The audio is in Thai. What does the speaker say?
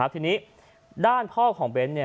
ทีนี้ด้านพ่อของเบ้นเนี่ย